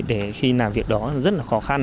để khi làm việc đó rất là khó khăn